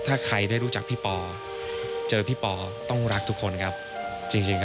ถ้าใครได้รู้จักพี่ปอเจอพี่ปอต้องรักทุกคนครับจริงจริงครับ